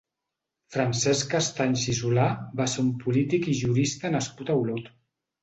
Francesc Castanys i Solà va ser un polític i jurista nascut a Olot.